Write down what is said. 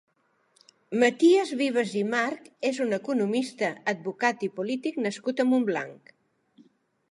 Maties Vives i March és un economista, advocat i polític nascut a Montblanc.